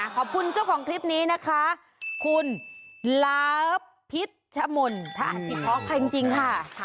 ขอบคุณเจ้าของคลิปนี้นะคะคุณลาพิชมนต์ถ้าติดพอค่ะจริงค่ะ